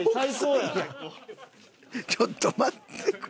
ちょっと待ってくれ。